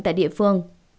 tại địa phương